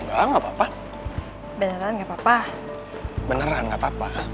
semangat belajar nih ya yang pinter ya